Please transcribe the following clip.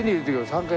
３回？